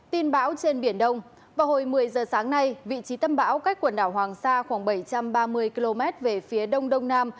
tin bão trên biển đông vào hồi một mươi giờ sáng nay vị trí tâm bão cách quần đảo hoàng sa khoảng bảy trăm ba mươi km về phía đông đông nam